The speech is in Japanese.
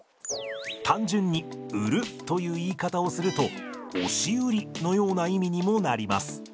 単純に「売る」という言い方をすると押し売りのような意味にもなります。